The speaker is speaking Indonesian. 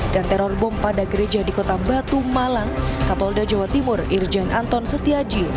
dan teror bom pada gereja di kota batu malang kapolda jawa timur irjen anton setiaji